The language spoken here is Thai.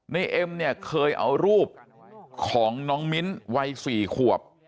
เอ็มเนี่ยเคยเอารูปของน้องมิ้นวัย๔ขวบ